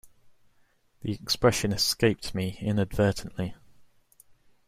The expression escaped me inadvertently.